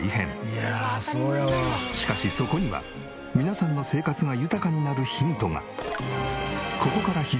しかしそこには皆さんの生活が豊かになるヒントが。